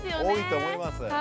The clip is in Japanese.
多いと思います。